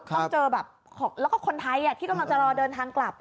ต้องเจอแบบแล้วก็คนไทยที่กำลังจะรอเดินทางกลับ